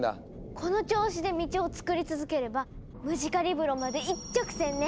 この調子で道を作り続ければムジカリブロまで一直線ね。